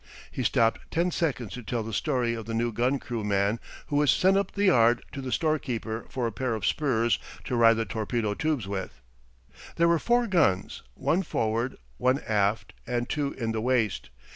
He stopped ten seconds to tell the story of the new gun crew man who was sent up the yard to the storekeeper for a pair of spurs to ride the torpedo tubes with. There were four guns, one forward, one aft, and two in the waist.